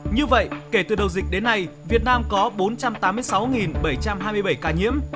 như vậy kể từ đầu dịch đến nay việt nam có bốn trăm tám mươi sáu bảy trăm hai mươi bảy ca nhiễm